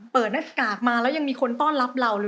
เปิดหน้ากากมาแล้วยังมีคนต้อนรับเราเลย